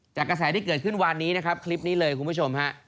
กระแสที่เกิดขึ้นวันนี้นะครับคลิปนี้เลยคุณผู้ชมฮะ